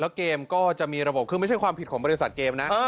แล้วเกมก็จะมีระบบคือไม่ใช่ความผิดของบริษัทเกมนะ